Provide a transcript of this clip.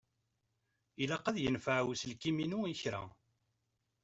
Ilaq ad yenfeɛ uselkim-inu i kra.